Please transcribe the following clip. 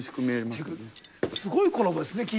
すごいコラボですねきー